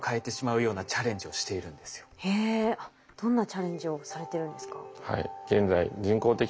どんなチャレンジをされてるんですか？